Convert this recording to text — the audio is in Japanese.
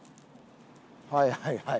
はいはいはい。